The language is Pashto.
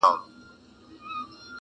تر بچیو گوله نه سي رسولای-